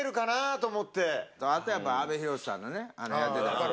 あとはやっぱ阿部寛さんのねやってた。